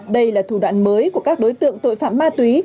đây là thủ đoạn mới của các đối tượng tội phạm ma túy